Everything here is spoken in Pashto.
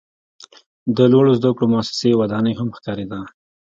د لوړو زده کړو موسسې ودانۍ هم ښکاریده.